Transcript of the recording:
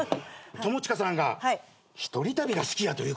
友近さんが一人旅が好きやということで。